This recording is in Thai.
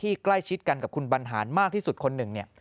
ใกล้ชิดกันกับคุณบรรหารมากที่สุดคนหนึ่งเนี่ย